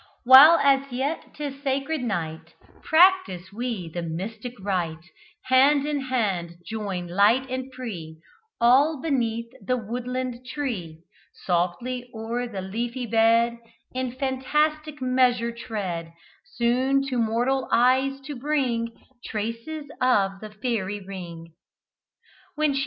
While as yet 'tis sacred night, Practise we the mystic rite: Hand in hand join, light and free, All beneath the woodland tree; Softly o'er the leafy bed In fantastic measure tread, Soon to mortal eyes to bring Traces of the fairy ring."